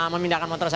memindahkan motor saya